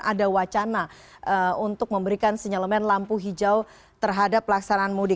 ada wacana untuk memberikan sinyalemen lampu hijau terhadap pelaksanaan mudik